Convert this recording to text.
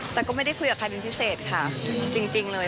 แต่ก็ไม่ได้คุยกับใครเป็นพิเศษค่ะจริงเลย